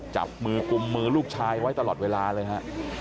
จับมือกุมมือลูกชายไว้ตลอดเวลาเลยฮะ